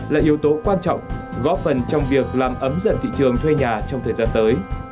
là yếu tố quan trọng góp phần trong việc làm ấm dần thị trường thuê nhà trong thời gian tới